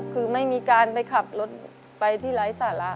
คือไม่มีการไปขับรถไปที่ไร้สาระ